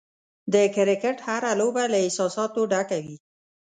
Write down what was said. د کرکټ هره لوبه له احساساتو ډکه وي.